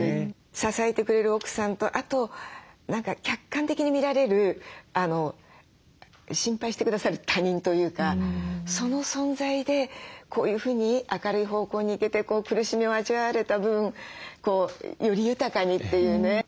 支えてくれる奥さんとあと客観的に見られる心配して下さる他人というかその存在でこういうふうに明るい方向に行けて苦しみを味わわれた分より豊かにっていうね。